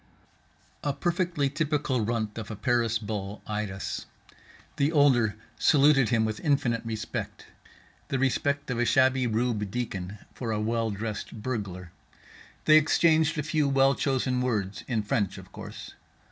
A perfectly typical runt of a Paris bull eyed us. The older saluted him with infinite respect, the respect of a shabby rube deacon for a well dressed burglar. They exchanged a few well chosen words, in French of course.